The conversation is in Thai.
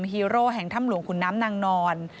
ฮีโร่แห่งถ้ำหลวงขุนน้ำนางนอน